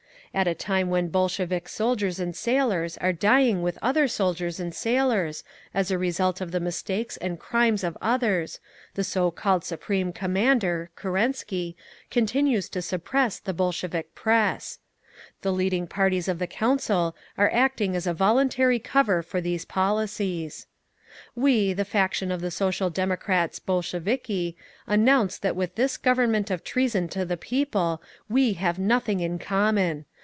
At a time when Bolshevik soldiers and sailors are dying with other soldiers and sailors as a result of the mistakes and crimes of others, the so called Supreme Commander (Kerensky) continues to suppress the Bolshevik press. The leading parties of the Council are acting as a voluntary cover for these policies. "We, the faction of Social Democrats Bolsheviki, announce that with this Government of Treason to the People we have nothing in common.